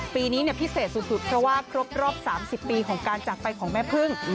ปีนี้พิเศษสุดเพราะว่าครบรอบ๓๐ปีของการจากไปของแม่พึ่ง